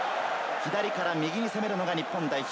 左から右に攻めるのが日本代表。